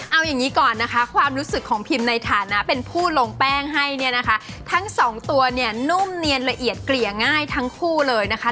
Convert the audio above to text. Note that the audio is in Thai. เอาอย่างนี้ก่อนนะคะความรู้สึกของพิมในฐานะเป็นผู้ลงแป้งให้เนี่ยนะคะทั้งสองตัวเนี่ยนุ่มเนียนละเอียดเกลี่ยง่ายทั้งคู่เลยนะคะ